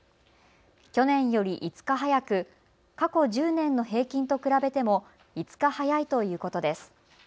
去年より５日早く、過去１０年の平均と比べても５日早いということです。